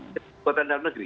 terus buatan daun negeri